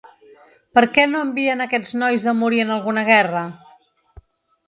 Per què no enviem aquests nois a morir en alguna guerra?